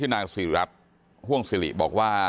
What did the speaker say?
ไม่ตั้งใจครับ